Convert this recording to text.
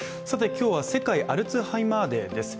今日は世界アルツハイマーデーです。